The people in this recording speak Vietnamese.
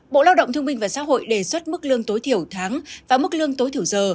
bộ lao động thương minh và xã hội đề xuất mức lương tối thiểu tháng và mức lương tối thiểu giờ